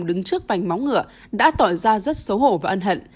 đứng trước vánh móng ngựa đã tỏ ra rất xấu hổ và ân hận